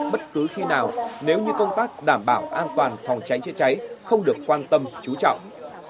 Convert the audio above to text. bất cứ khi nào nếu như công tác đảm bảo an toàn phòng cháy chữa cháy không được quan tâm chú trọng